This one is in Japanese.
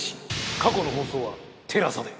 過去の放送はＴＥＬＡＳＡで。